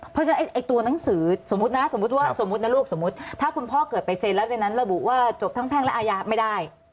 เพราะฉะนั้นไอ้ตัวหนังสือสมมตินะลูกสมมติถ้าคุณพ่อเกิดไปเซนแล้วในนั้นระบุว่าจบทางแพ่งและอายาไม่ได้